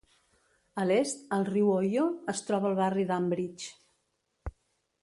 A l"est, al riu Ohio, es troba el barri d"Ambridge.